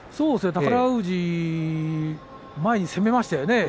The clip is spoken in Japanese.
宝富士、前に攻めましたね。